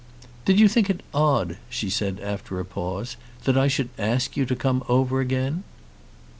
"Did you think it odd," she said after a pause, "that I should ask you to come over again?"